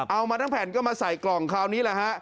เอามาทั้งแผ่นก็มาใส่กล่องคราวนี้แหละฮะ